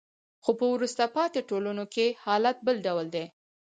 خو په وروسته پاتې ټولنو کې حالت بل ډول دی.